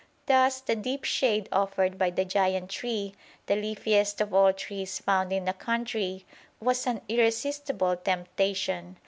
Thus the deep shade offered by the giant tree, the leafiest of all trees found in the country, was an irresistible temptation.